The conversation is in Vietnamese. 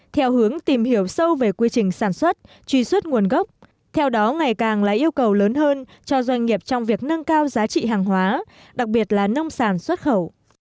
theo hướng tìm hiểu sâu về quy trình sản xuất truy xuất nguồn gốc theo đó ngày càng là yêu cầu lớn hơn cho doanh nghiệp trong việc nâng cao giá trị hàng hóa đặc biệt là nông sản xuất khẩu